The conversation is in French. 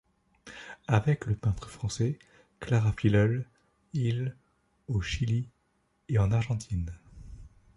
Avec le peintre français Clara Filleul, il au Chili et en Argentine.